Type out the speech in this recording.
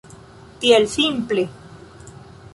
Tiel simple.